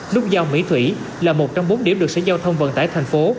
nút giao mỹ thủy là một trong bốn điểm được sở giao thông vận tải thành phố